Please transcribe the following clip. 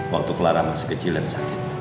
waktu clara masih kecil dan sakit